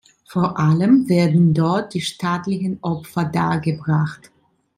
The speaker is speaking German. Vor allem werden dort die staatlichen Opfer dargebracht.